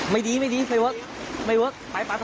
ไม่ดีไม่เวิร์ค